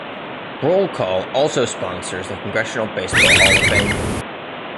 "Roll Call" also sponsors the Congressional Baseball Hall of Fame.